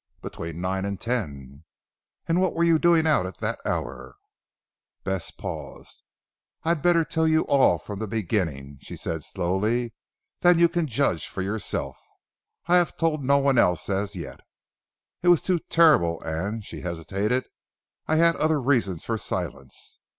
"Between nine and ten." "And what were you doing out at that hour?" Bess paused. "I had better tell you all from the beginning," she said slowly, "then you can judge for yourself. I have told no one as yet. It was too terrible, and " she hesitated, "I had other reasons for silence.